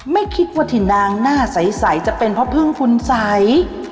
ไม่คิดว่าที่นางหน้าใสจะเป็นเพราะพึ่งคุณใส